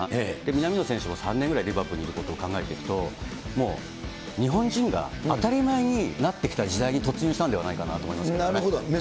南野選手も３年ぐらい、リバプールにいることを考えていくと、もう日本人が当たり前になってきた時代に突入したんではないかなと思いますけどね。